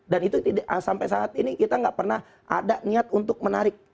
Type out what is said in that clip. dan itu sampai saat ini kita nggak pernah ada niat untuk menarik